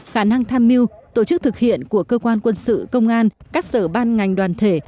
khả năng tham mưu tổ chức thực hiện của cơ quan quân sự công an các sở ban ngành đoàn thể